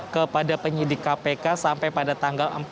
kepada penyidik kpk sampai pada tanggal